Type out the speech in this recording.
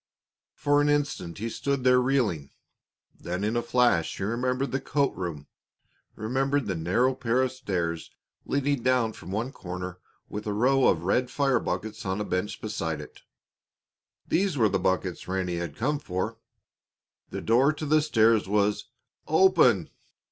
For an instant he stood there reeling. Then in a flash he remembered the coat room, remembered the narrow pair of stairs leading down from one corner with a row of red fire buckets on a bench beside it. These were the buckets Ranny had come for. The door to the stairs was open!